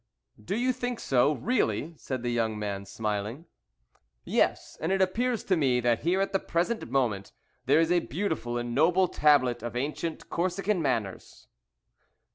"Do you think so, really?" said the young man, smiling. "Yes, and it appears to me that here at the present moment there is a beautiful and noble tablet of ancient Corsican manners."